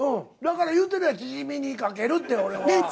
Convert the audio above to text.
だから言うてるやんチヂミにかけるって俺は。